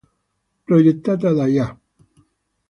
Progettata da Ya.